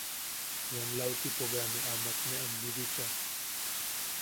Ian lautipo bea ne amak ne am bibicha.